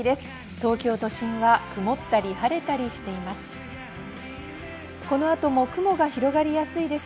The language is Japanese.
東京都心は曇ったり、晴れたりしています。